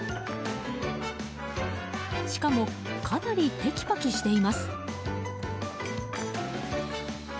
しかもかなりテキパキしています。